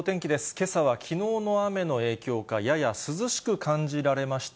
けさはきのうの雨の影響か、やや涼しく感じられました。